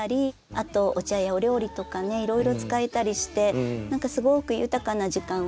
あとお茶やお料理とかねいろいろ使えたりして何かすごく豊かな時間をもたらしてくれてる。